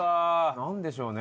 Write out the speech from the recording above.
なんでしょうね？